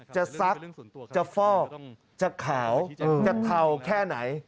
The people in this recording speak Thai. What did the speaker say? ซักจะฟอกจะขาวจะเทาแค่ไหน